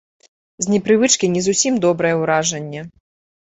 З непрывычкі не зусім добрае ўражанне.